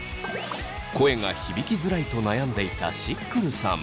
声が響きづらいと悩んでいたしっくるさん。